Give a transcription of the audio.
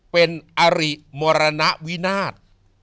เป็นอริมรณวินาท